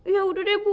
ya udah deh bu